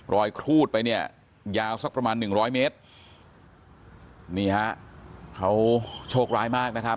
รอยครูดไปยาวประมาณ๑๐๐เมตรเขาโชคร้ายมาก